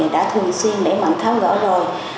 đã thường xuyên để mạnh tháo gỡ rồi